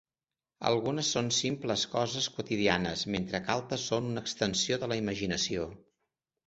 Algunes són simples coses quotidianes, mentre que altres són una extensió de la imaginació.